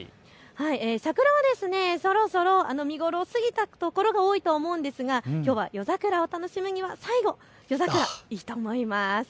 桜はそろそろ見頃を過ぎたところが多いと思うんですがきょうは夜桜を楽しむには最後、夜桜いいと思います。